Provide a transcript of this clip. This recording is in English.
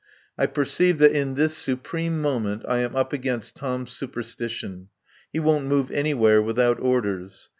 I perceive that in this supreme moment I am up against Tom's superstition. He won't move anywhere without orders.